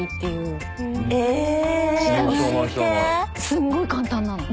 すんごい簡単なの。